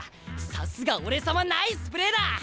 さすが俺様ナイスプレーだ！